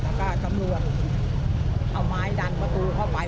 แล้วก็ตำรวจเอาไม้ดันประตูเข้าไป